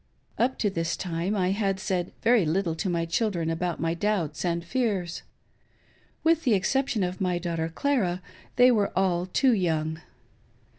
Up to this time I had said very little to my children about my doubts and feaiis. With the exception of my daughter Clara, they were all too young.